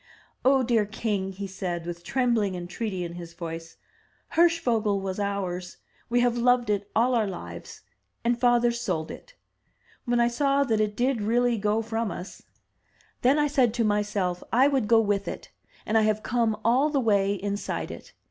"Oh, dear king!" he said, with trembling entreaty in his voice, "Hirschvogel was ours. We have loved it all our lives; and father sold it. When I saw that it did really go from us, 309 MY BOOK HOUSE then I said to myself I would go with it; and I have come all the way inside it.